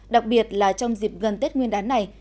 đặc biệt là trong dịp gần tết nguyên đán này